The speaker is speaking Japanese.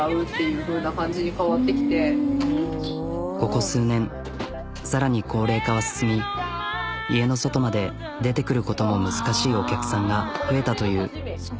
ここ数年さらに高齢化は進み家の外まで出てくることも難しいお客さんが増えたという。